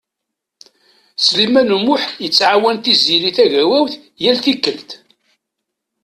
Sliman U Muḥ yettɛawan Tiziri Tagawawt yal tikkelt.